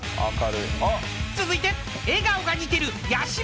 ［続いて］